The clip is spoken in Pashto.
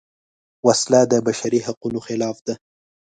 وسله د بشري حقونو خلاف ده